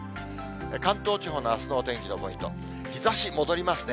関東地方のあすのお天気のポイント、日ざし戻りますね。